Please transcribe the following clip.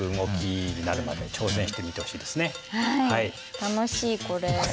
楽しいこれ。